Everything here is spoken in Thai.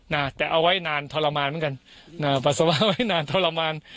นะแต่เอาไว้นานทรมานเหมือนกันอ่าปัสสาวะไว้นานทรมาน